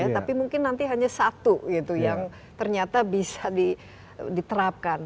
tapi mungkin nanti hanya satu gitu yang ternyata bisa diterapkan